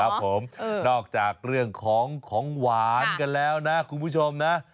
ครับผมนอกจากเรื่องของของหวานกันแล้วนะคุณผู้ชมนะ